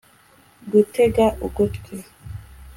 gutega ugutwi